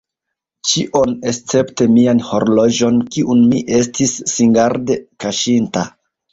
Ĉion, escepte mian horloĝon, kiun mi estis singarde kaŝinta.